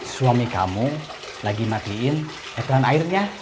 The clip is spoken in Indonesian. suami kamu lagi matiin etolan airnya